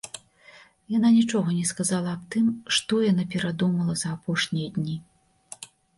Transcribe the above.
Яна нічога не сказала аб тым, што яна перадумала за апошнія дні.